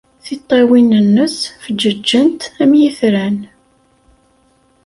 Tiṭṭawin-nnes feǧǧeǧent am yitran.